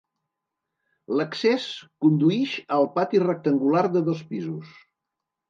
L'accés conduïx al pati rectangular de dos pisos.